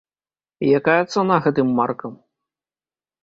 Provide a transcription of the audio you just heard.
Якая цана гэтым маркам?